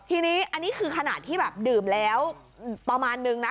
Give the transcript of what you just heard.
ทีนี้อันนี้คือขนาดที่แบบดื่มแล้วประมาณนึงนะ